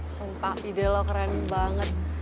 sumpah ide lo keren banget